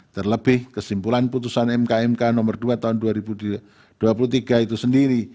terlebih kesimpulan putusan mkmk nomor dua tahun dua ribu dua puluh tiga itu sendiri